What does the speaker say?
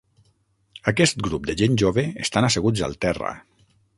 Aquest grup de gent jove estan asseguts al terra.